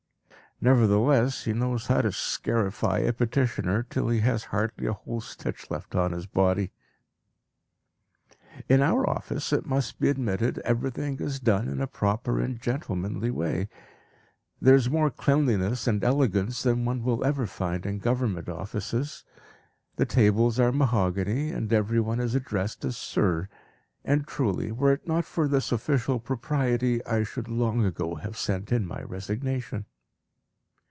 Nevertheless, he knows how to scarify a petitioner till he has hardly a whole stitch left on his body. In our office it must be admitted everything is done in a proper and gentlemanly way; there is more cleanness and elegance than one will ever find in Government offices. The tables are mahogany, and everyone is addressed as "sir." And truly, were it not for this official propriety, I should long ago have sent in my resignation.